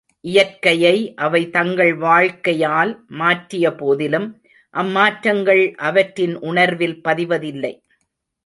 இயற்கையை அவை தங்கள் வாழ்க்கையால் மாற்றியபோதிலும் அம்மாற்றங்கள் அவற்றின் உணர்வில் பதிவதில்லை.